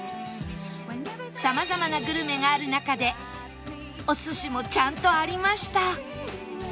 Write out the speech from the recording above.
様々なグルメがある中でお寿司もちゃんとありました